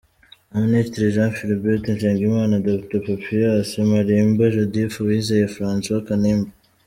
Ba Minisitiri Jean Philbert Nsengimana, Dr Papias Malimba, Judith Uwizeye, François Kanimba .